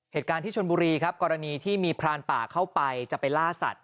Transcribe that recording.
เหตุการณ์ที่ชนบุรีครับกรณีที่มีพรานป่าเข้าไปจะไปล่าสัตว